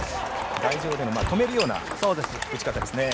台上で止めるような打ち方ですね。